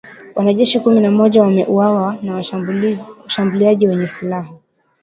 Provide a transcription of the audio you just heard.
Wanajeshi kumi na moja wameuawa na washambuliaji wenye silaha